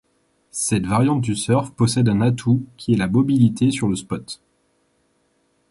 Cette variante du surf possède un atout qui est la mobilité sur le spot.